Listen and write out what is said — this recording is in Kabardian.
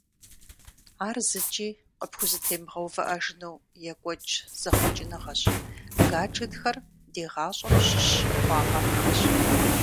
Ар зыкӀи къыпхузэтемыгъэувыӀэжыну екӀуэкӀ зэхъуэкӀыныгъэщ, гаджетхэр ди гъащӀэм щыщ хъуагъэххэщ.